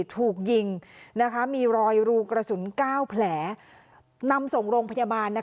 ถูกยิงมีรอยรูกระสุน๙แผลนำส่งโรงพยาบาล